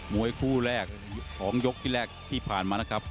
วยคู่แรกของยกที่แรกที่ผ่านมานะครับ